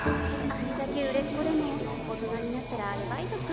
あれだけ売れっ子でも大人になったらアルバイトか。